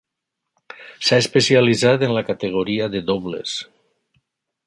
S'ha especialitzat en la categoria de dobles.